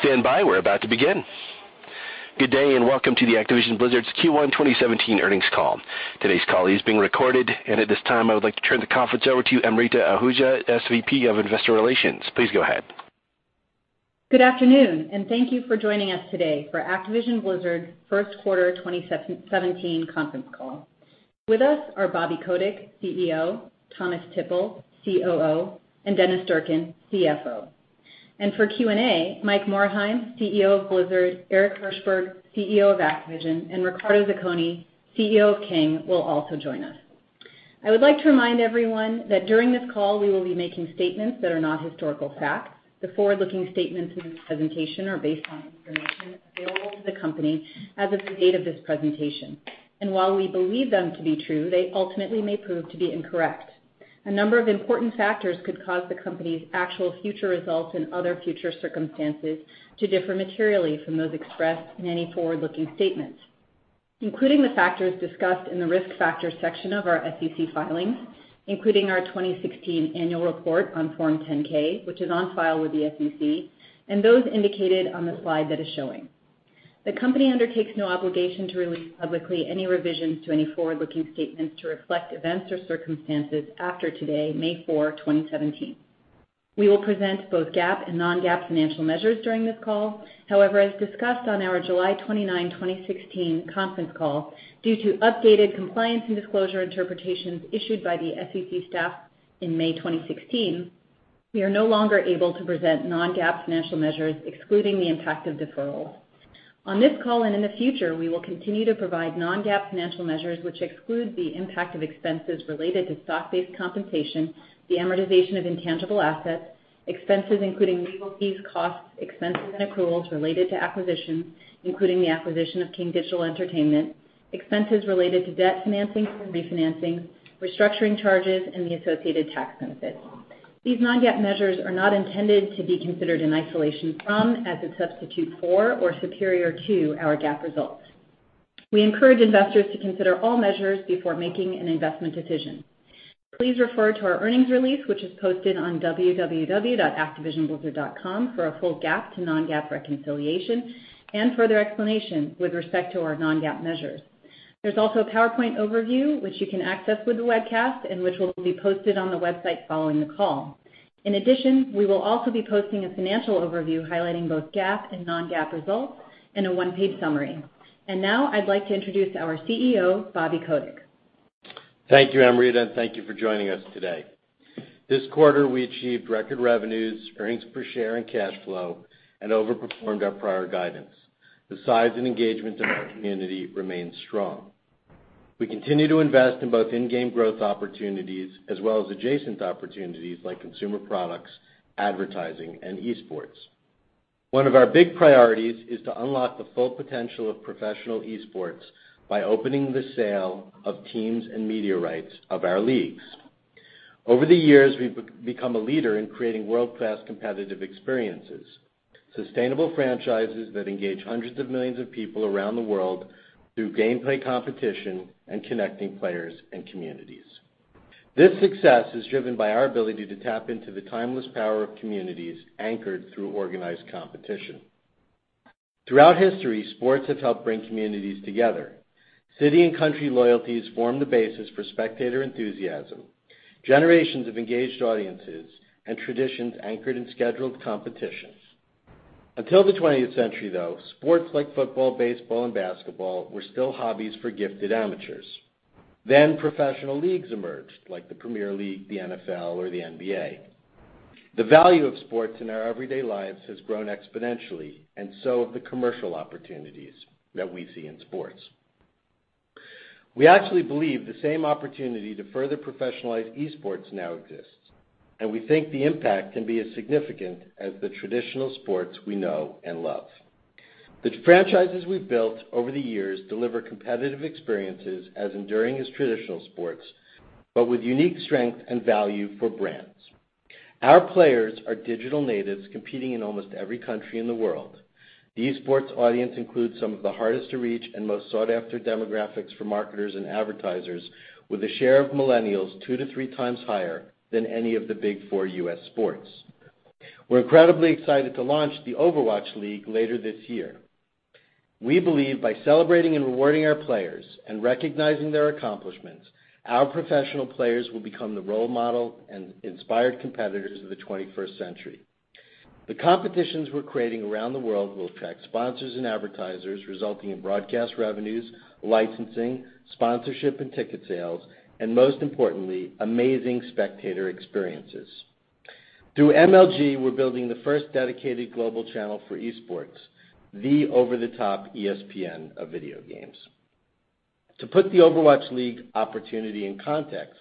Please stand by. We're about to begin. Good day, welcome to the Activision Blizzard's Q1 2017 earnings call. Today's call is being recorded, at this time, I would like to turn the conference over to Amrita Ahuja, SVP of Investor Relations. Please go ahead. Good afternoon, thank you for joining us today for Activision Blizzard first quarter 2017 conference call. With us are Bobby Kotick, CEO, Thomas Tippl, COO, Dennis Durkin, CFO. For Q&A, Mike Morhaime, CEO of Blizzard, Eric Hirshberg, CEO of Activision, Riccardo Zacconi, CEO of King, will also join us. I would like to remind everyone that during this call, we will be making statements that are not historical facts. The forward-looking statements in this presentation are based on information available to the company as of the date of this presentation. While we believe them to be true, they ultimately may prove to be incorrect. A number of important factors could cause the company's actual future results and other future circumstances to differ materially from those expressed in any forward-looking statements, including the factors discussed in the Risk Factors section of our SEC filings, including our 2016 Annual Report on Form 10-K, which is on file with the SEC, those indicated on the slide that is showing. The company undertakes no obligation to release publicly any revisions to any forward-looking statements to reflect events or circumstances after today, May 4, 2017. We will present both GAAP and non-GAAP financial measures during this call. However, as discussed on our July 29, 2016 conference call, due to updated compliance and disclosure interpretations issued by the SEC staff in May 2016, we are no longer able to present non-GAAP financial measures excluding the impact of deferral. On this call in the future, we will continue to provide non-GAAP financial measures which exclude the impact of expenses related to stock-based compensation, the amortization of intangible assets, expenses including legal fees, costs, expenses, accruals related to acquisitions, including the acquisition of King Digital Entertainment, expenses related to debt financing refinancing, restructuring charges, the associated tax benefits. These non-GAAP measures are not intended to be considered in isolation from, as a substitute for, or superior to our GAAP results. We encourage investors to consider all measures before making an investment decision. Please refer to our earnings release, which is posted on www.activisionblizzard.com for a full GAAP to non-GAAP reconciliation further explanation with respect to our non-GAAP measures. There's also a PowerPoint overview, which you can access with the webcast which will be posted on the website following the call. In addition, we will also be posting a financial overview highlighting both GAAP and non-GAAP results in a one-page summary. Now I'd like to introduce our CEO, Bobby Kotick. Thank you, Amrita, and thank you for joining us today. This quarter, we achieved record revenues, earnings per share, and cash flow and overperformed our prior guidance. The size and engagement of our community remains strong. We continue to invest in both in-game growth opportunities as well as adjacent opportunities like consumer products, advertising, and esports. One of our big priorities is to unlock the full potential of professional esports by opening the sale of teams and media rights of our leagues. Over the years, we've become a leader in creating world-class competitive experiences, sustainable franchises that engage hundreds of millions of people around the world through gameplay competition and connecting players and communities. This success is driven by our ability to tap into the timeless power of communities anchored through organized competition. Throughout history, sports have helped bring communities together. City and country loyalties form the basis for spectator enthusiasm, generations of engaged audiences, and traditions anchored in scheduled competitions. Until the 20th century, though, sports like football, baseball, and basketball were still hobbies for gifted amateurs. Professional leagues emerged, like the Premier League, the NFL, or the NBA. The value of sports in our everyday lives has grown exponentially, so have the commercial opportunities that we see in sports. We actually believe the same opportunity to further professionalize esports now exists, we think the impact can be as significant as the traditional sports we know and love. The franchises we've built over the years deliver competitive experiences as enduring as traditional sports, but with unique strength and value for brands. Our players are digital natives competing in almost every country in the world. The esports audience includes some of the hardest to reach and most sought-after demographics for marketers and advertisers with a share of millennials two to three times higher than any of the big four U.S. sports. We're incredibly excited to launch the Overwatch League later this year. We believe by celebrating and rewarding our players and recognizing their accomplishments, our professional players will become the role model and inspired competitors of the 21st century. The competitions we're creating around the world will attract sponsors and advertisers, resulting in broadcast revenues, licensing, sponsorship, and ticket sales, most importantly, amazing spectator experiences. Through MLG, we're building the first dedicated global channel for esports, the over-the-top ESPN of video games. To put the Overwatch League opportunity in context,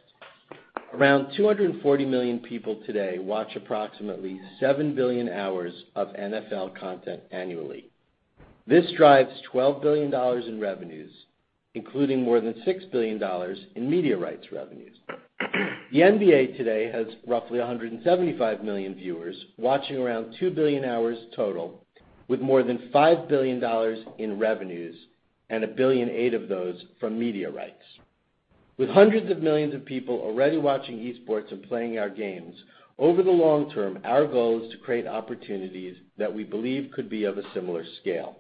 around 240 million people today watch approximately 7 billion hours of NFL content annually. This drives $12 billion in revenues, including more than $6 billion in media rights revenues. The NBA today has roughly 175 million viewers watching around 2 billion hours total, with more than $5 billion in revenues and $1.8 billion of those from media rights. With hundreds of millions of people already watching esports and playing our games, over the long term, our goal is to create opportunities that we believe could be of a similar scale.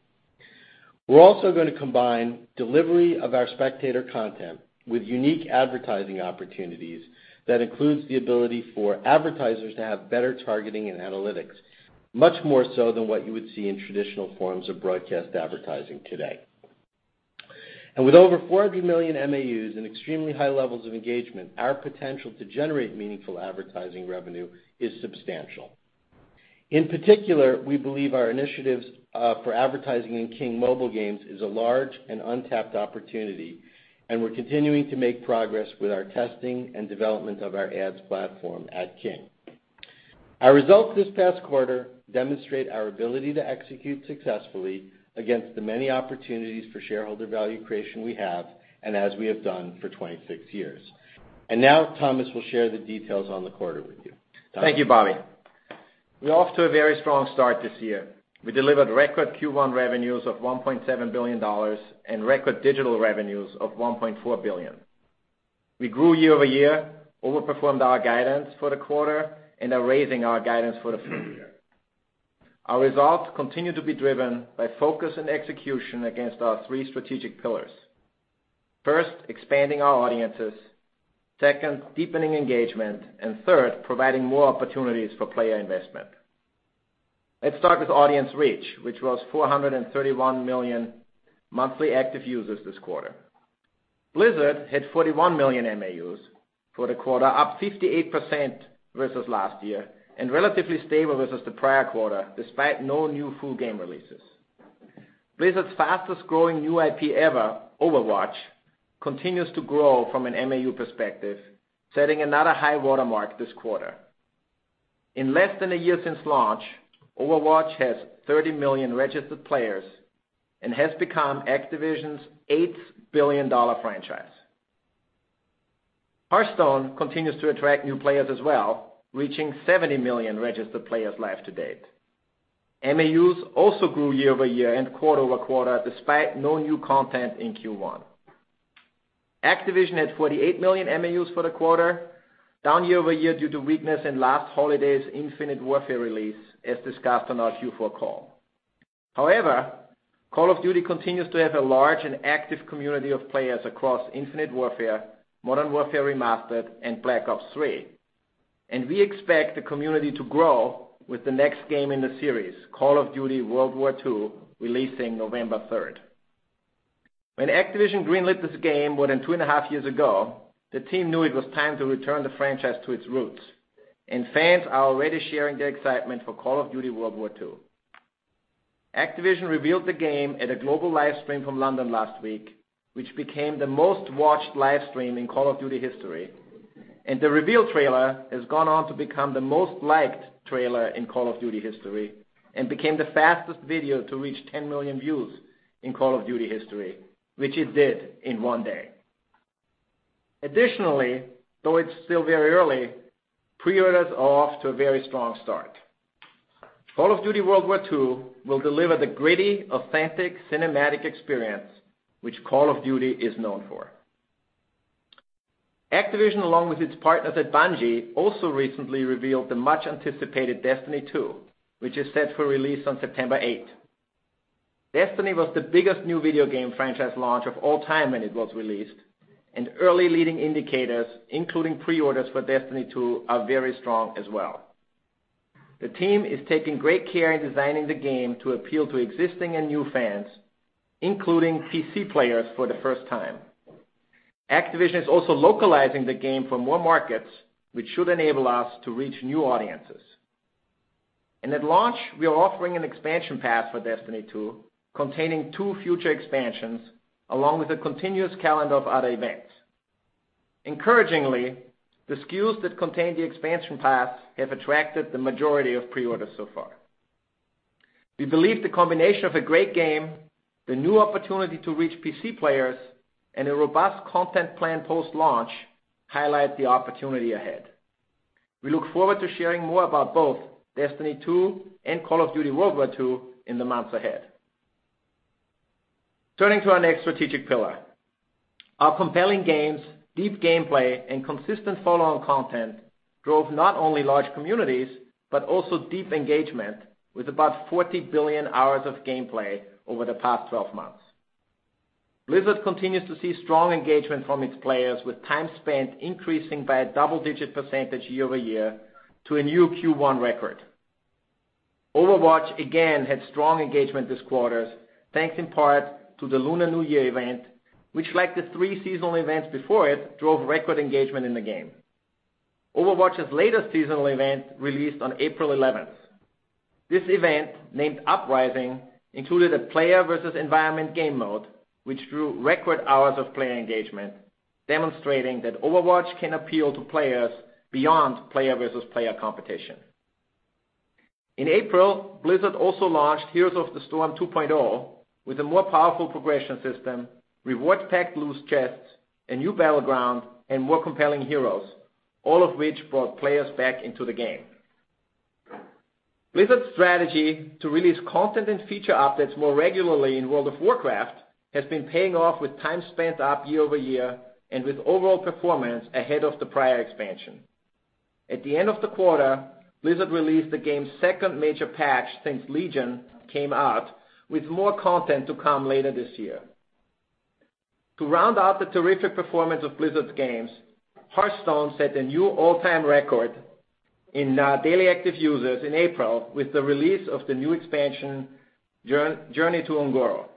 We're also going to combine delivery of our spectator content with unique advertising opportunities that includes the ability for advertisers to have better targeting and analytics, much more so than what you would see in traditional forms of broadcast advertising today. With over 400 million MAUs and extremely high levels of engagement, our potential to generate meaningful advertising revenue is substantial. In particular, we believe our initiatives for advertising in King mobile games is a large and untapped opportunity, and we're continuing to make progress with our testing and development of our ads platform at King. Our results this past quarter demonstrate our ability to execute successfully against the many opportunities for shareholder value creation we have, and as we have done for 26 years. Now Thomas will share the details on the quarter with you. Thomas? Thank you, Bobby. We're off to a very strong start this year. We delivered record Q1 revenues of $1.7 billion and record digital revenues of $1.4 billion. We grew year-over-year, overperformed our guidance for the quarter, and are raising our guidance for the full year. Our results continue to be driven by focus and execution against our three strategic pillars. First, expanding our audiences. Second, deepening engagement. Third, providing more opportunities for player investment. Let's start with audience reach, which was 431 million monthly active users this quarter. Blizzard had 41 million MAUs for the quarter, up 58% versus last year, and relatively stable versus the prior quarter, despite no new full game releases. Blizzard's fastest-growing new IP ever, Overwatch, continues to grow from an MAU perspective, setting another high watermark this quarter. In less than a year since launch, Overwatch has 30 million registered players and has become Activision's eighth billion-dollar franchise. Hearthstone continues to attract new players as well, reaching 70 million registered players live to date. MAUs also grew year-over-year and quarter-over-quarter, despite no new content in Q1. Activision had 48 million MAUs for the quarter, down year-over-year due to weakness in last holiday's Infinite Warfare release, as discussed on our Q4 call. However, Call of Duty continues to have a large and active community of players across Infinite Warfare, Modern Warfare Remastered, and Black Ops III. We expect the community to grow with the next game in the series, Call of Duty: WWII, releasing November 3rd. When Activision greenlit this game more than two and a half years ago, the team knew it was time to return the franchise to its roots, fans are already sharing their excitement for Call of Duty: WWII. Activision revealed the game at a global livestream from London last week, which became the most-watched livestream in Call of Duty history. The reveal trailer has gone on to become the most liked trailer in Call of Duty history and became the fastest video to reach 10 million views in Call of Duty history, which it did in one day. Additionally, though it's still very early, pre-orders are off to a very strong start. Call of Duty: WWII will deliver the gritty, authentic, cinematic experience which Call of Duty is known for. Activision, along with its partners at Bungie, also recently revealed the much-anticipated Destiny 2, which is set for release on September 8th. Destiny was the biggest new video game franchise launch of all time when it was released, early leading indicators, including pre-orders for Destiny 2, are very strong as well. The team is taking great care in designing the game to appeal to existing and new fans, including PC players for the first time. Activision is also localizing the game for more markets, which should enable us to reach new audiences. At launch, we are offering an expansion pass for Destiny 2 containing two future expansions, along with a continuous calendar of other events. Encouragingly, the SKUs that contain the expansion pass have attracted the majority of pre-orders so far. We believe the combination of a great game, the new opportunity to reach PC players, and a robust content plan post-launch highlight the opportunity ahead. We look forward to sharing more about both Destiny 2 and Call of Duty: WWII in the months ahead. Turning to our next strategic pillar. Our compelling games, deep gameplay, and consistent follow-on content drove not only large communities but also deep engagement with about 40 billion hours of gameplay over the past 12 months. Blizzard continues to see strong engagement from its players, with time spent increasing by a double-digit percentage year-over-year to a new Q1 record. Overwatch again had strong engagement this quarter, thanks in part to the Lunar New Year event, which like the three seasonal events before it, drove record engagement in the game. Overwatch's latest seasonal event released on April 11th. This event, named Uprising, included a player versus environment game mode, which drew record hours of player engagement, demonstrating that Overwatch can appeal to players beyond player versus player competition. In April, Blizzard also launched Heroes of the Storm 2.0 with a more powerful progression system, rewards-backed loot chests, a new battleground, and more compelling heroes, all of which brought players back into the game. Blizzard's strategy to release content and feature updates more regularly in World of Warcraft has been paying off with time spent up year-over-year, with overall performance ahead of the prior expansion. At the end of the quarter, Blizzard released the game's second major patch since Legion came out, with more content to come later this year. To round out the terrific performance of Blizzard's games, Hearthstone set a new all-time record in daily active users in April with the release of the new expansion, Journey to Un'Goro.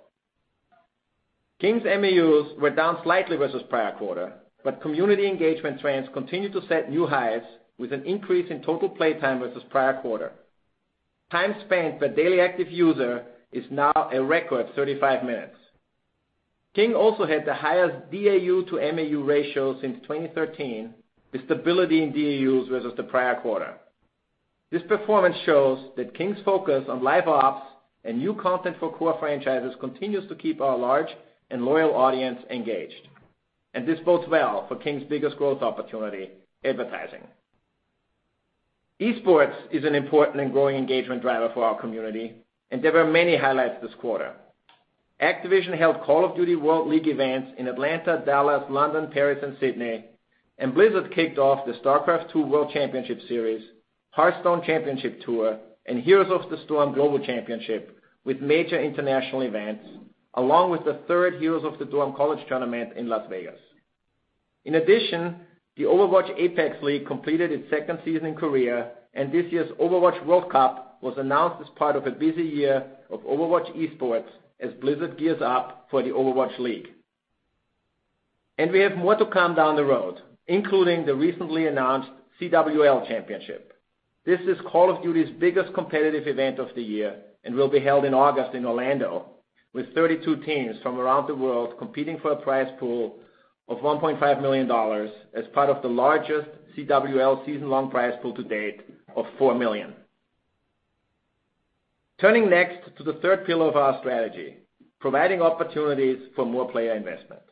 King's MAUs were down slightly versus prior quarter, but community engagement trends continue to set new highs with an increase in total playtime versus prior quarter. Time spent by daily active user is now a record 35 minutes. King also had the highest DAU-to-MAU ratio since 2013, with stability in DAUs versus the prior quarter. This performance shows that King's focus on Live Ops and new content for core franchises continues to keep our large and loyal audience engaged, and this bodes well for King's biggest growth opportunity, advertising. Esports is an important and growing engagement driver for our community, and there were many highlights this quarter. Activision held Call of Duty World League events in Atlanta, Dallas, London, Paris, and Sydney, and Blizzard kicked off the StarCraft II World Championship Series, Hearthstone Championship Tour, and Heroes of the Storm Global Championship with major international events, along with the third Heroes of the Storm College Tournament in Las Vegas. In addition, the Overwatch APEX completed its second season in Korea, and this year's Overwatch World Cup was announced as part of a busy year of Overwatch esports as Blizzard gears up for the Overwatch League. We have more to come down the road, including the recently announced CWL Championship. This is Call of Duty's biggest competitive event of the year and will be held in August in Orlando with 32 teams from around the world competing for a prize pool of $1.5 million as part of the largest CWL season-long prize pool to date of $4 million. Turning next to the third pillar of our strategy, providing opportunities for more player investment.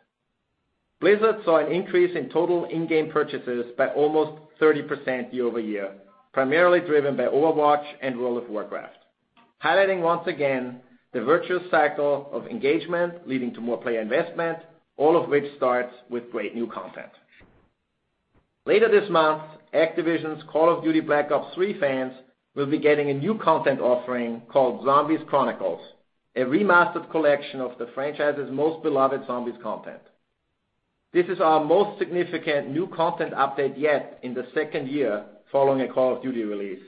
Blizzard saw an increase in total in-game purchases by almost 30% year-over-year, primarily driven by Overwatch and World of Warcraft, highlighting once again the virtuous cycle of engagement leading to more player investment, all of which starts with great new content. Later this month, Activision's Call of Duty: Black Ops III fans will be getting a new content offering called Zombies Chronicles, a remastered collection of the franchise's most beloved Zombies content. This is our most significant new content update yet in the second year following a Call of Duty release,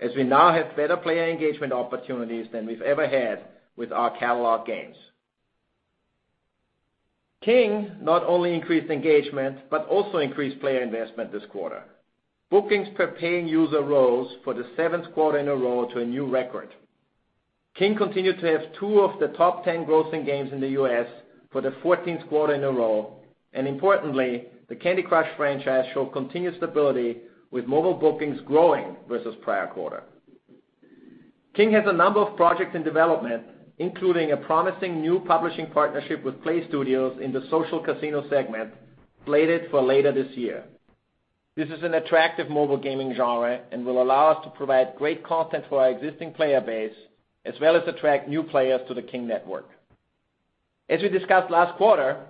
as we now have better player engagement opportunities than we've ever had with our catalog games. King not only increased engagement, but also increased player investment this quarter. Bookings per paying user rose for the seventh quarter in a row to a new record. King continued to have two of the top 10 grossing games in the U.S. for the 14th quarter in a row, and importantly, the Candy Crush franchise showed continued stability with mobile bookings growing versus prior quarter. King has a number of projects in development, including a promising new publishing partnership with PLAYSTUDIOS in the social casino segment slated for later this year. This is an attractive mobile gaming genre and will allow us to provide great content for our existing player base as well as attract new players to the King network. As we discussed last quarter,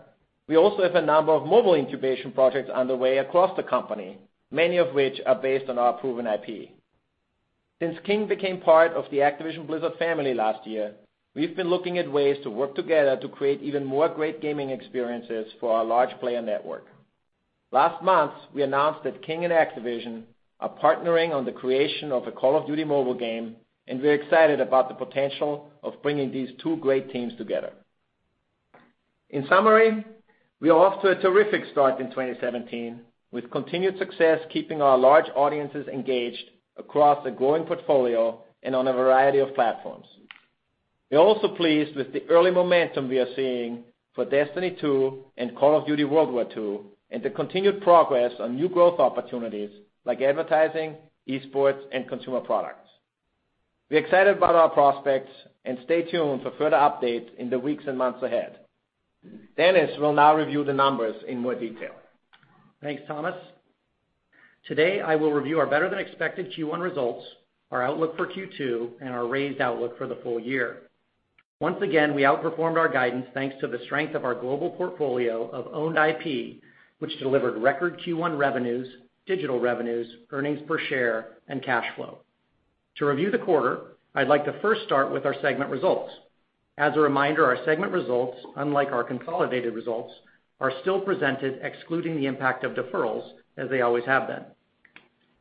we also have a number of mobile incubation projects underway across the company, many of which are based on our proven IP. Since King became part of the Activision Blizzard family last year, we've been looking at ways to work together to create even more great gaming experiences for our large player network. Last month, we announced that King and Activision are partnering on the creation of a Call of Duty mobile game, and we're excited about the potential of bringing these two great teams together. In summary, we are off to a terrific start in 2017, with continued success keeping our large audiences engaged across a growing portfolio and on a variety of platforms. We're also pleased with the early momentum we are seeing for Destiny 2 and Call of Duty: World War II, and the continued progress on new growth opportunities like advertising, esports, and consumer products. We're excited about our prospects, and stay tuned for further updates in the weeks and months ahead. Dennis will now review the numbers in more detail. Thanks, Thomas. Today, I will review our better-than-expected Q1 results, our outlook for Q2, and our raised outlook for the full year. Once again, we outperformed our guidance thanks to the strength of our global portfolio of owned IP, which delivered record Q1 revenues, digital revenues, earnings per share, and cash flow. To review the quarter, I'd like to first start with our segment results. As a reminder, our segment results, unlike our consolidated results, are still presented excluding the impact of deferrals, as they always have been.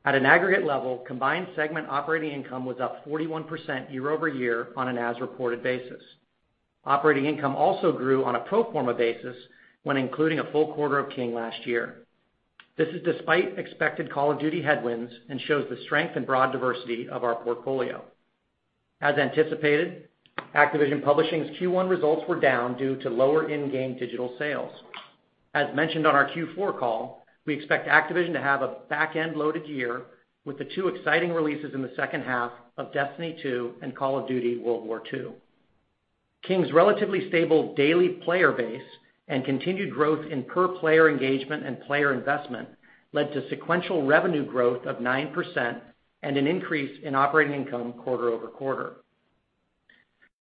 At an aggregate level, combined segment operating income was up 41% year-over-year on an as-reported basis. Operating income also grew on a pro forma basis when including a full quarter of King last year. This is despite expected Call of Duty headwinds and shows the strength and broad diversity of our portfolio. As anticipated, Activision Publishing's Q1 results were down due to lower in-game digital sales. As mentioned on our Q4 call, we expect Activision to have a back-end-loaded year with the two exciting releases in the second half of Destiny 2 and Call of Duty: World War II. King's relatively stable daily player base and continued growth in per-player engagement and player investment led to sequential revenue growth of 9% and an increase in operating income quarter-over-quarter.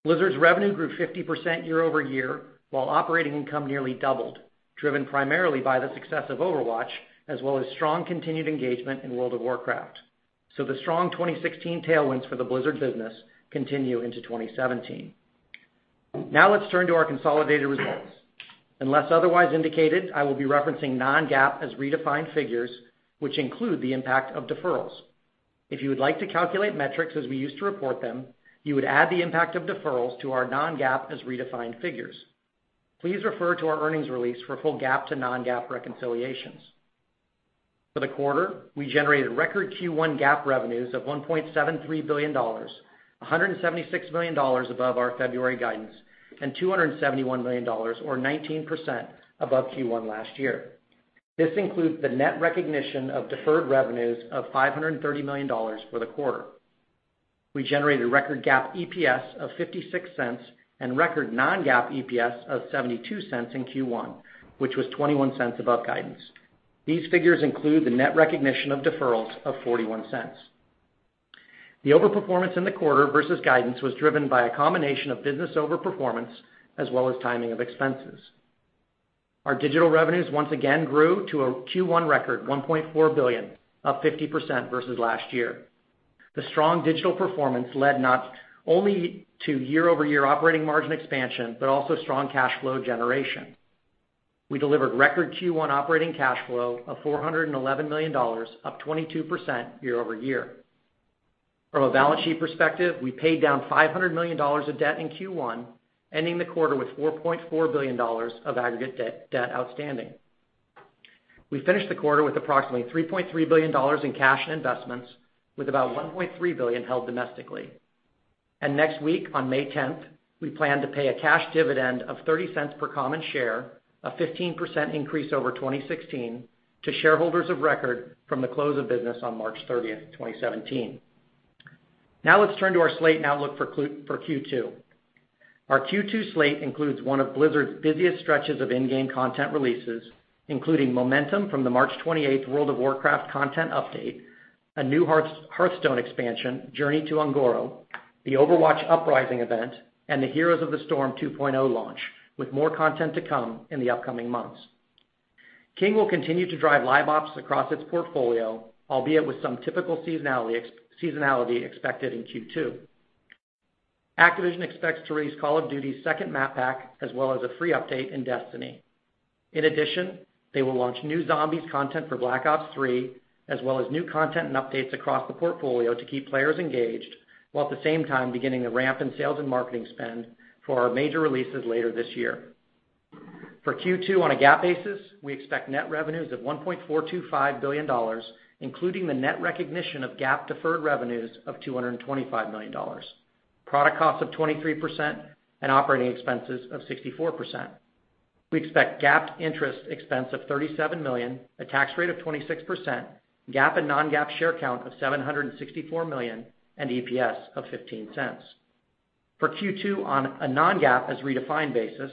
Blizzard's revenue grew 50% year-over-year, while operating income nearly doubled, driven primarily by the success of Overwatch, as well as strong continued engagement in World of Warcraft. The strong 2016 tailwinds for the Blizzard business continue into 2017. Now let's turn to our consolidated results. Unless otherwise indicated, I will be referencing non-GAAP as redefined figures, which include the impact of deferrals. If you would like to calculate metrics as we used to report them, you would add the impact of deferrals to our non-GAAP as redefined figures. Please refer to our earnings release for full GAAP to non-GAAP reconciliations. For the quarter, we generated record Q1 GAAP revenues of $1.73 billion, $176 million above our February guidance and $271 million or 19% above Q1 last year. This includes the net recognition of deferred revenues of $530 million for the quarter. We generated record GAAP EPS of $0.56 and record non-GAAP EPS of $0.72 in Q1, which was $0.21 above guidance. These figures include the net recognition of deferrals of $0.41. The over-performance in the quarter versus guidance was driven by a combination of business over-performance as well as timing of expenses. Our digital revenues once again grew to a Q1 record, $1.4 billion, up 50% versus last year. The strong digital performance led not only to year-over-year operating margin expansion, but also strong cash flow generation. We delivered record Q1 operating cash flow of $411 million, up 22% year-over-year. From a balance sheet perspective, we paid down $500 million of debt in Q1, ending the quarter with $4.4 billion of aggregate debt outstanding. We finished the quarter with approximately $3.3 billion in cash and investments, with about $1.3 billion held domestically. Next week, on May 10th, we plan to pay a cash dividend of $0.30 per common share, a 15% increase over 2016 to shareholders of record from the close of business on March 30th, 2017. Now let's turn to our slate and outlook for Q2. Our Q2 slate includes one of Blizzard's busiest stretches of in-game content releases, including momentum from the March 28th World of Warcraft content update, a new Hearthstone expansion, Journey to Un'Goro, the Overwatch Uprising event, and the Heroes of the Storm 2.0 launch, with more content to come in the upcoming months. King will continue to drive Live Ops across its portfolio, albeit with some typical seasonality expected in Q2. Activision expects to release Call of Duty's second map pack as well as a free update in Destiny. In addition, they will launch new zombies content for Black Ops III, as well as new content and updates across the portfolio to keep players engaged, while at the same time beginning to ramp in sales and marketing spend for our major releases later this year. For Q2 on a GAAP basis, we expect net revenues of $1.425 billion, including the net recognition of GAAP deferred revenues of $225 million, product cost of 23%, and operating expenses of 64%. We expect GAAP interest expense of $37 million, a tax rate of 26%, GAAP and non-GAAP share count of 764 million, and EPS of $0.15. For Q2 on a non-GAAP as redefined basis,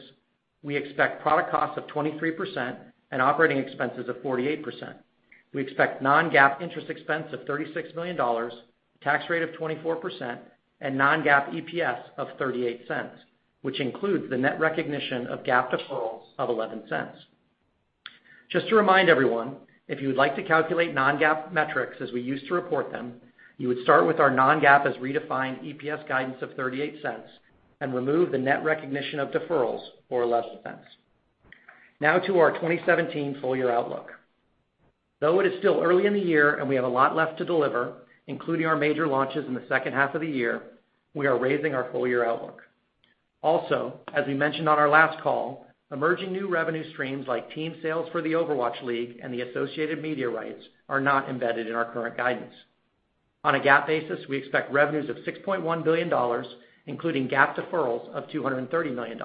we expect product costs of 23% and operating expenses of 48%. We expect non-GAAP interest expense of $36 million, tax rate of 24%, and non-GAAP EPS of $0.38, which includes the net recognition of GAAP deferrals of $0.11. Just to remind everyone, if you would like to calculate non-GAAP metrics as we used to report them, you would start with our non-GAAP as redefined EPS guidance of $0.38 and remove the net recognition of deferrals or less expense. Now to our 2017 full-year outlook. Though it is still early in the year and we have a lot left to deliver, including our major launches in the second half of the year, we are raising our full-year outlook. As we mentioned on our last call, emerging new revenue streams like team sales for the Overwatch League and the associated media rights are not embedded in our current guidance. On a GAAP basis, we expect revenues of $6.1 billion, including GAAP deferrals of $230 million.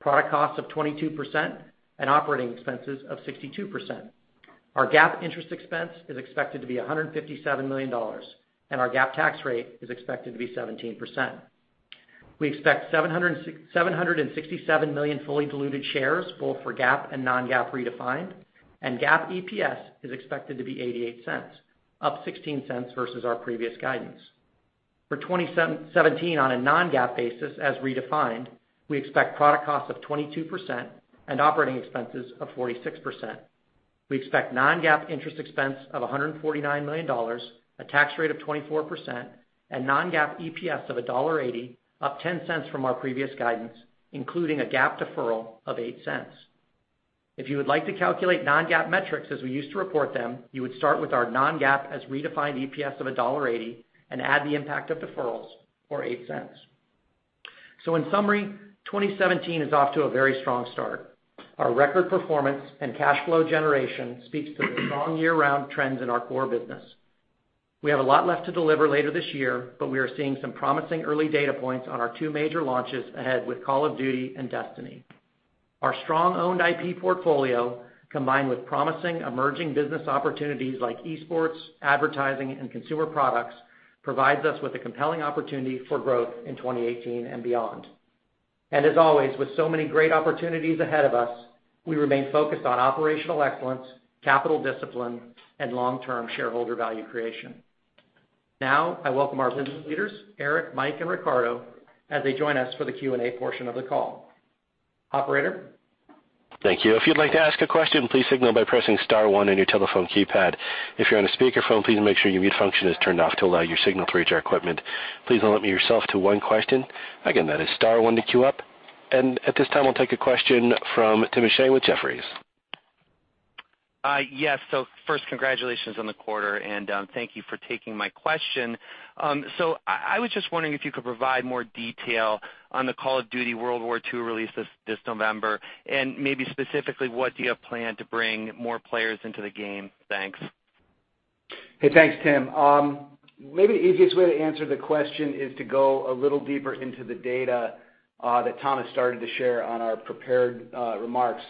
Product costs of 22% and operating expenses of 62%. Our GAAP interest expense is expected to be $157 million. Our GAAP tax rate is expected to be 17%. We expect 767 million fully diluted shares, both for GAAP and non-GAAP redefined. GAAP EPS is expected to be $0.88, up $0.16 versus our previous guidance. For 2017 on a non-GAAP basis as redefined, we expect product costs of 22% and operating expenses of 46%. We expect non-GAAP interest expense of $149 million, a tax rate of 24%. Non-GAAP EPS of $1.80, up $0.10 from our previous guidance, including a GAAP deferral of $0.08. If you would like to calculate non-GAAP metrics as we used to report them, you would start with our non-GAAP as redefined EPS of $1.80 and add the impact of deferrals or $0.08. In summary, 2017 is off to a very strong start. Our record performance and cash flow generation speaks to the strong year-round trends in our core business. We have a lot left to deliver later this year, we are seeing some promising early data points on our two major launches ahead with Call of Duty and Destiny. Our strong owned IP portfolio, combined with promising emerging business opportunities like esports, advertising, and consumer products, provides us with a compelling opportunity for growth in 2018 and beyond. As always, with so many great opportunities ahead of us, we remain focused on operational excellence, capital discipline, and long-term shareholder value creation. I welcome our business leaders, Eric, Mike, and Riccardo, as they join us for the Q&A portion of the call. Operator? Thank you. If you'd like to ask a question, please signal by pressing star one on your telephone keypad. If you're on a speakerphone, please make sure your mute function is turned off to allow your signal through to our equipment. Please limit yourself to one question. Again, that is star one to queue up. At this time, we'll take a question from Timothy O'Shea with Jefferies. Yes. First, congratulations on the quarter, and thank you for taking my question. I was just wondering if you could provide more detail on the Call of Duty: WWII release this November, and maybe specifically, what do you have planned to bring more players into the game? Thanks. Hey, thanks, Tim. Maybe the easiest way to answer the question is to go a little deeper into the data that Thomas started to share on our prepared remarks.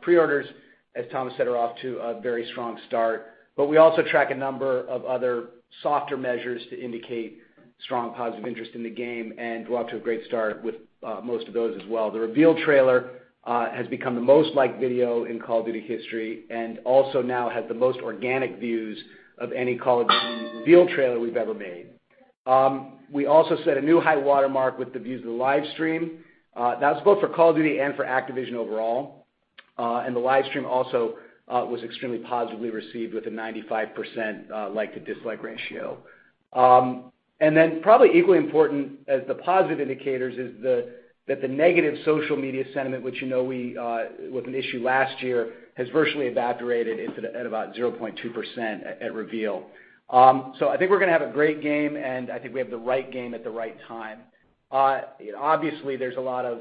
Pre-orders, as Thomas said, are off to a very strong start, but we also track a number of other softer measures to indicate strong positive interest in the game, and we're off to a great start with most of those as well. The Reveal trailer has become the most liked video in Call of Duty history, and also now has the most organic views of any Call of Duty Reveal trailer we've ever made. We also set a new high watermark with the views of the live stream. That was both for Call of Duty and for Activision overall. The live stream also was extremely positively received with a 95% like to dislike ratio. Probably equally important as the positive indicators, is that the negative social media sentiment, which was an issue last year, has virtually evaporated at about 0.2% at Reveal. I think we're going to have a great game, and I think we have the right game at the right time. Obviously, there's a lot of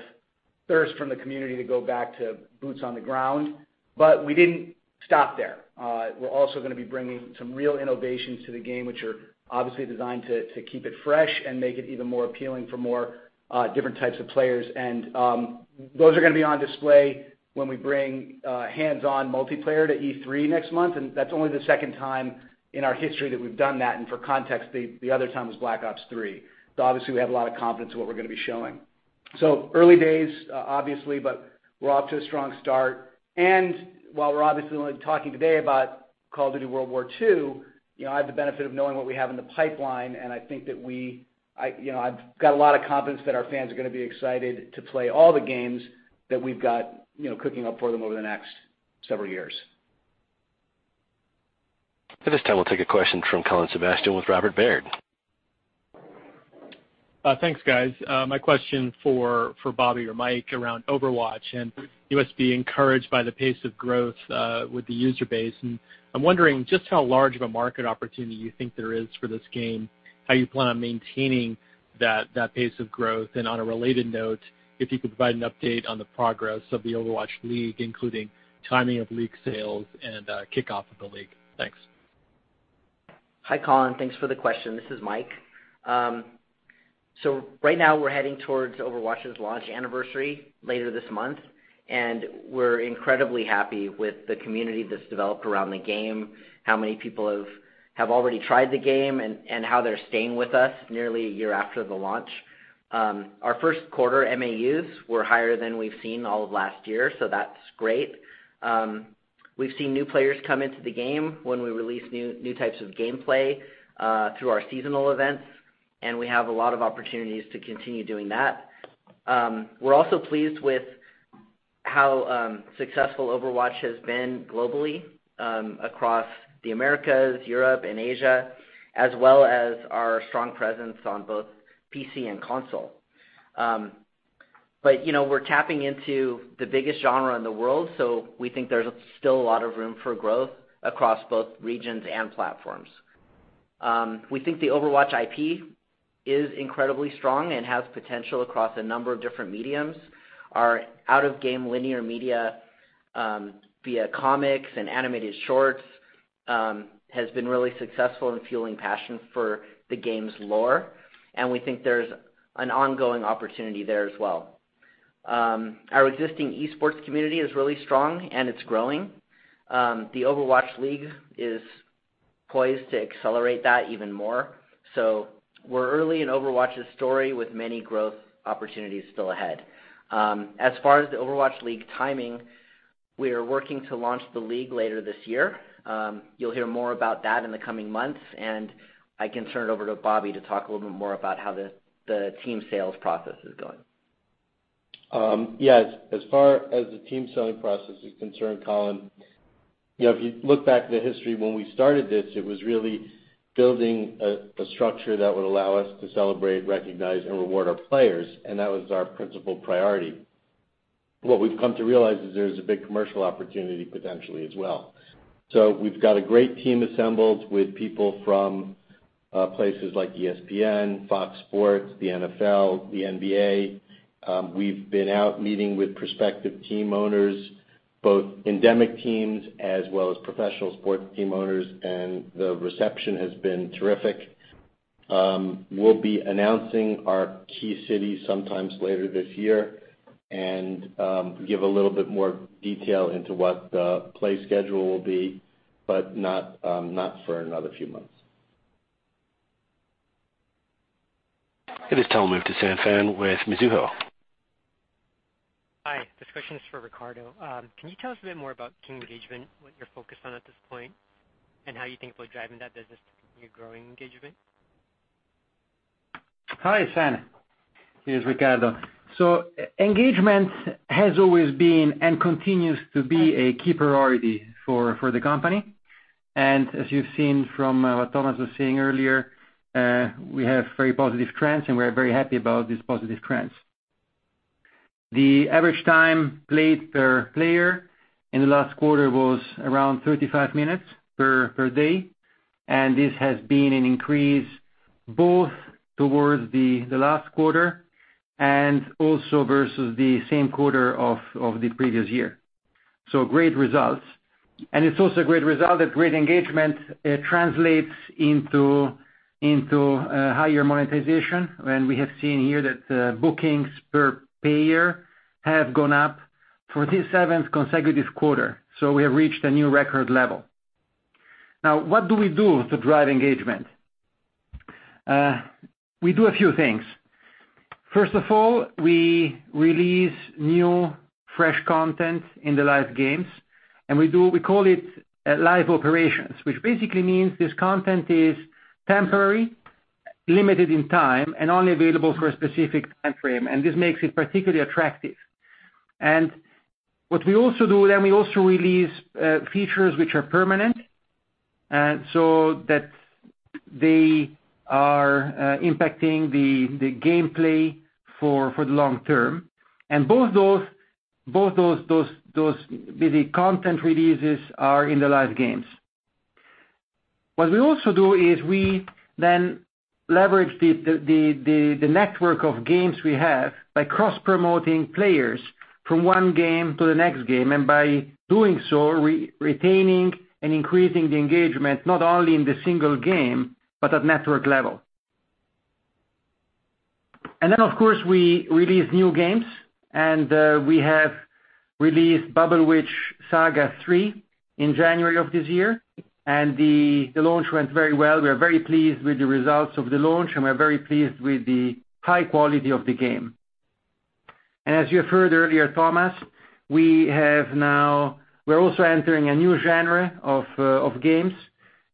thirst from the community to go back to boots on the ground, but we didn't stop there. We're also going to be bringing some real innovations to the game, which are obviously designed to keep it fresh and make it even more appealing for more different types of players. Those are going to be on display when we bring hands-on multiplayer to E3 next month, and that's only the second time in our history that we've done that. For context, the other time was Black Ops III. Obviously, we have a lot of confidence in what we're going to be showing. Early days, obviously, but we're off to a strong start. While we're obviously only talking today about Call of Duty: WWII, I have the benefit of knowing what we have in the pipeline, and I've got a lot of confidence that our fans are going to be excited to play all the games that we've got cooking up for them over the next several years. At this time, we'll take a question from Colin Sebastian with Robert W. Baird. Thanks, guys. My question for Bobby or Mike, around Overwatch and you must be encouraged by the pace of growth, with the user base. I'm wondering just how large of a market opportunity you think there is for this game, how you plan on maintaining that pace of growth. On a related note, if you could provide an update on the progress of the Overwatch League, including timing of league sales and kickoff of the league. Thanks. Hi, Colin. Thanks for the question. This is Mike. Right now, we're heading towards Overwatch's launch anniversary later this month, and we're incredibly happy with the community that's developed around the game, how many people have already tried the game, and how they're staying with us nearly a year after the launch. Our first quarter MAUs were higher than we've seen all of last year, so that's great. We've seen new players come into the game when we release new types of gameplay, through our seasonal events, and we have a lot of opportunities to continue doing that. We're also pleased with how successful Overwatch has been globally, across the Americas, Europe, and Asia, as well as our strong presence on both PC and console. We're tapping into the biggest genre in the world, so we think there's still a lot of room for growth across both regions and platforms. We think the Overwatch IP is incredibly strong and has potential across a number of different mediums. Our out-of-game linear media, via comics and animated shorts, has been really successful in fueling passion for the game's lore, and we think there's an ongoing opportunity there as well. Our existing esports community is really strong and it's growing. The Overwatch League is poised to accelerate that even more. We're early in Overwatch's story with many growth opportunities still ahead. As far as the Overwatch League timing, we are working to launch the league later this year. You'll hear more about that in the coming months. I can turn it over to Bobby to talk a little bit more about how the team sales process is going. Yeah. As far as the team selling process is concerned, Colin, if you look back at the history when we started this, it was really building a structure that would allow us to celebrate, recognize, and reward our players, and that was our principal priority. What we've come to realize is there's a big commercial opportunity potentially as well. We've got a great team assembled with people from places like ESPN, Fox Sports, the NFL, the NBA. We've been out meeting with prospective team owners Both endemic teams as well as professional sports team owners, and the reception has been terrific. We'll be announcing our key cities sometime later this year and give a little bit more detail into what the play schedule will be, but not for another few months. At this time, we'll move to San Fan with Mizuho. Hi. This question is for Riccardo. Can you tell us a bit more about King engagement, what you're focused on at this point, and how you think about driving that business to continue growing engagement? Hi, San. It's Riccardo. Engagement has always been and continues to be a key priority for the company. As you've seen from what Thomas was saying earlier, we have very positive trends, and we are very happy about these positive trends. The average time played per player in the last quarter was around 35 minutes per day, and this has been an increase both towards the last quarter and also versus the same quarter of the previous year. Great results. It's also a great result that great engagement translates into higher monetization. We have seen here that bookings per payer have gone up for the seventh consecutive quarter. We have reached a new record level. Now, what do we do to drive engagement? We do a few things. First of all, we release new, fresh content in the live games, and we call it live operations, which basically means this content is temporary, limited in time, and only available for a specific time frame, and this makes it particularly attractive. What we also do then, we also release features which are permanent, so that they are impacting the gameplay for the long term. Both those busy content releases are in the live games. What we also do is we then leverage the network of games we have by cross-promoting players from one game to the next game, and by doing so, retaining and increasing the engagement, not only in the single game but at network level. Then of course, we release new games, and we have released Bubble Witch 3 Saga in January of this year, the launch went very well. We are very pleased with the results of the launch, we are very pleased with the high quality of the game. As you have heard earlier, Thomas, we're also entering a new genre of games,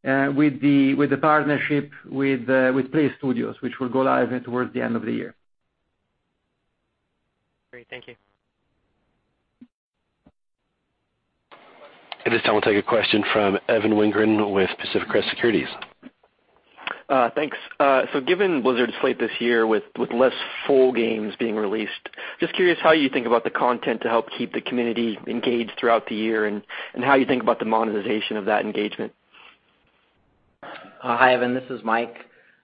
with the partnership with PLAYSTUDIOS, which will go live towards the end of the year. Great. Thank you. At this time, we'll take a question from Evan Wingren with Pacific Crest Securities. Thanks. Given Blizzard's slate this year with less full games being released, just curious how you think about the content to help keep the community engaged throughout the year, and how you think about the monetization of that engagement. Hi, Evan, this is Mike.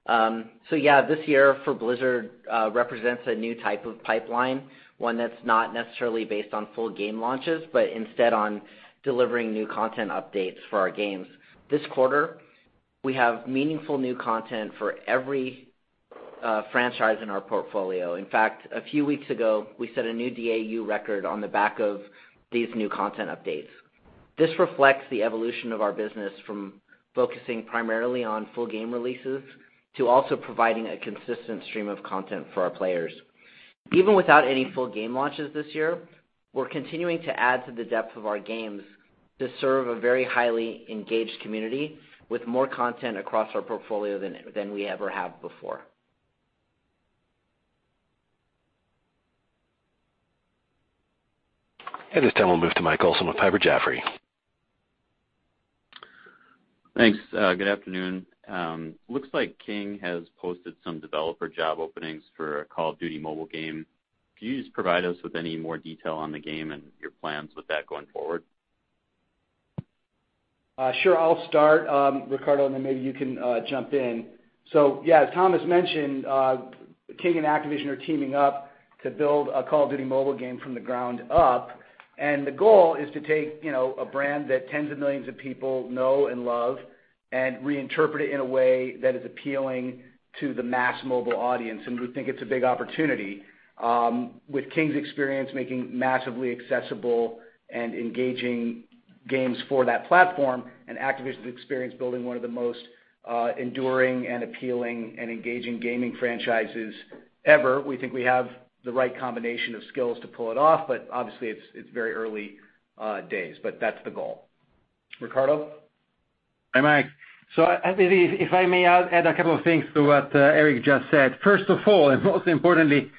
Yeah, this year for Blizzard represents a new type of pipeline, one that's not necessarily based on full game launches, but instead on delivering new content updates for our games. This quarter, we have meaningful new content for every franchise in our portfolio. In fact, a few weeks ago, we set a new DAU record on the back of these new content updates. This reflects the evolution of our business from focusing primarily on full game releases to also providing a consistent stream of content for our players. Even without any full game launches this year, we're continuing to add to the depth of our games to serve a very highly engaged community with more content across our portfolio than we ever have before. At this time, we'll move to Michael Olson with Piper Jaffray. Thanks. Good afternoon. Looks like King has posted some developer job openings for a Call of Duty mobile game. Can you just provide us with any more detail on the game and your plans with that going forward? Sure. I'll start, Riccardo, then maybe you can jump in. Yeah, as Thomas mentioned, King and Activision are teaming up to build a Call of Duty mobile game from the ground up. The goal is to take a brand that tens of millions of people know and love and reinterpret it in a way that is appealing to the mass mobile audience. We think it's a big opportunity. With King's experience making massively accessible and engaging games for that platform and Activision's experience building one of the most enduring and appealing and engaging gaming franchises ever, we think we have the right combination of skills to pull it off. Obviously, it's very early days, but that's the goal. Riccardo? Hi, Mike. If I may add a couple of things to what Eric just said. First of all, and most importantly,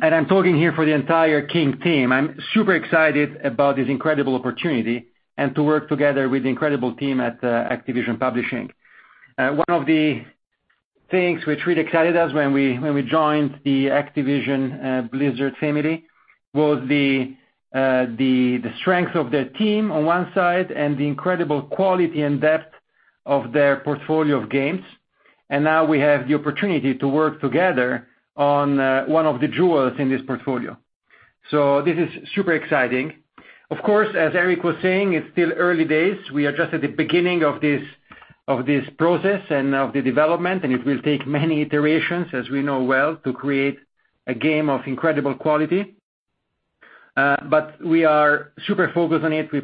I'm talking here for the entire King team, I'm super excited about this incredible opportunity and to work together with the incredible team at Activision Publishing. One of the things which really excited us when we joined the Activision Blizzard family was the strength of their team on one side and the incredible quality and depth of their portfolio of games. Now we have the opportunity to work together on one of the jewels in this portfolio. This is super exciting. Of course, as Eric was saying, it's still early days. We are just at the beginning of this process and of the development, it will take many iterations, as we know well, to create a game of incredible quality. We are super focused on it. We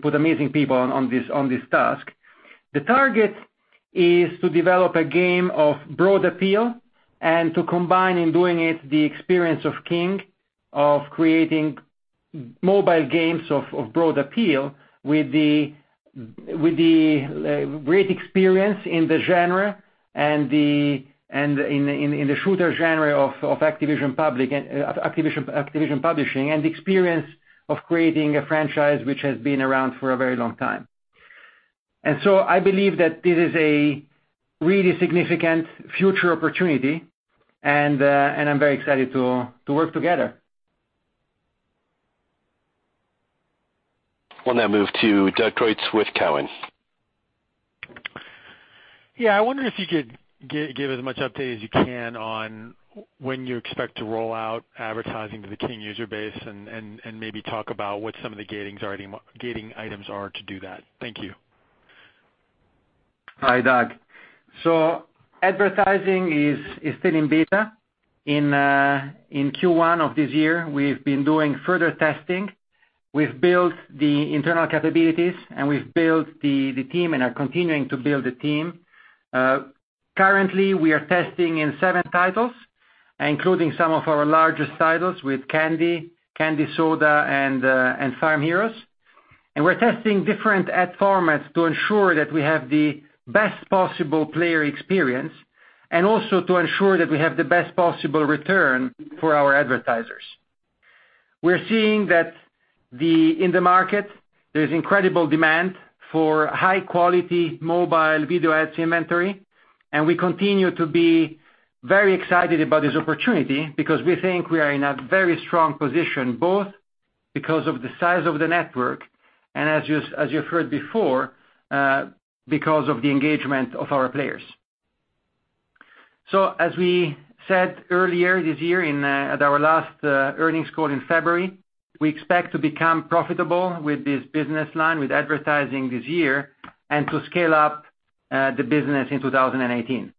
put amazing people on this task. The target is to develop a game of broad appeal and to combine in doing it the experience of King, of creating mobile games of broad appeal with the great experience in the genre and in the shooter genre of Activision Publishing and the experience of creating a franchise which has been around for a very long time. I believe that this is a really significant future opportunity, and I'm very excited to work together. We'll now move to Doug Creutz with Cowen. I wonder if you could give as much update as you can on when you expect to roll out advertising to the King user base, and maybe talk about what some of the gating items are to do that. Thank you. Hi, Doug. Advertising is still in beta. In Q1 of this year, we've been doing further testing. We've built the internal capabilities, and we've built the team and are continuing to build the team. Currently, we are testing in seven titles, including some of our largest titles with Candy Soda, and Farm Heroes. We're testing different ad formats to ensure that we have the best possible player experience and also to ensure that we have the best possible return for our advertisers. We're seeing that in the market, there's incredible demand for high-quality mobile video ad inventory, and we continue to be very excited about this opportunity because we think we are in a very strong position, both because of the size of the network and, as you've heard before, because of the engagement of our players. As we said earlier this year at our last earnings call in February, we expect to become profitable with this business line, with advertising this year, and to scale up the business in 2018.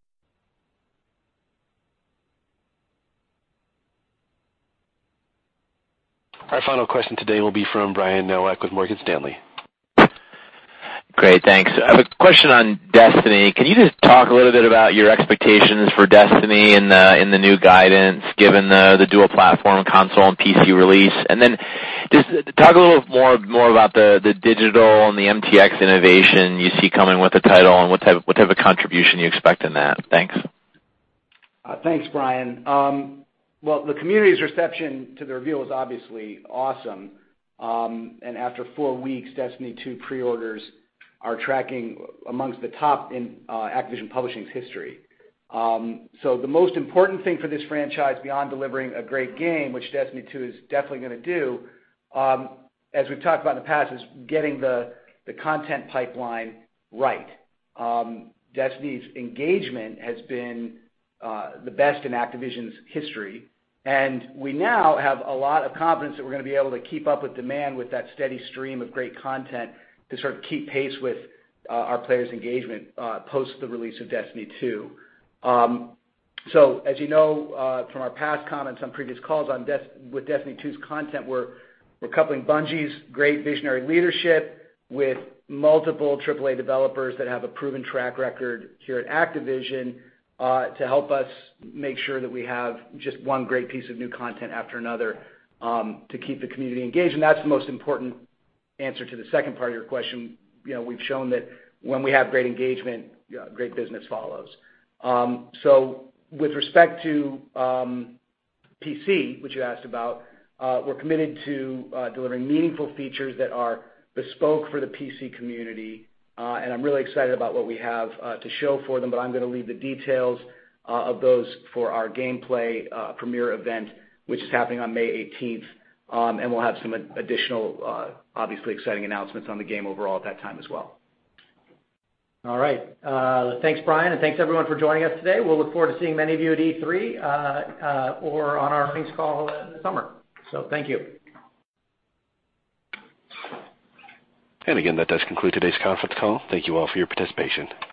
Our final question today will be from Brian Nowak with Morgan Stanley. Great. Thanks. I have a question on Destiny. Can you just talk a little bit about your expectations for Destiny in the new guidance, given the dual platform console and PC release? Just talk a little more about the digital and the MTX innovation you see coming with the title and what type of contribution you expect in that. Thanks. Thanks, Brian. Well, the community's reception to the reveal is obviously awesome. After four weeks, Destiny 2 pre-orders are tracking amongst the top in Activision Publishing's history. The most important thing for this franchise, beyond delivering a great game, which Destiny 2 is definitely going to do, as we've talked about in the past, is getting the content pipeline right. Destiny's engagement has been the best in Activision's history, and we now have a lot of confidence that we're going to be able to keep up with demand with that steady stream of great content to sort of keep pace with our players' engagement post the release of Destiny 2. As you know from our past comments on previous calls with Destiny 2's content, we're coupling Bungie's great visionary leadership with multiple AAA developers that have a proven track record here at Activision to help us make sure that we have just one great piece of new content after another to keep the community engaged. That's the most important answer to the second part of your question. We've shown that when we have great engagement, great business follows. With respect to PC, which you asked about, we're committed to delivering meaningful features that are bespoke for the PC community. I'm really excited about what we have to show for them, but I'm going to leave the details of those for our gameplay premiere event, which is happening on May 18th, we'll have some additional, obviously exciting announcements on the game overall at that time as well. All right. Thanks, Brian. Thanks, everyone, for joining us today. We'll look forward to seeing many of you at E3 or on our earnings call in the summer. Thank you. Again, that does conclude today's conference call. Thank you all for your participation.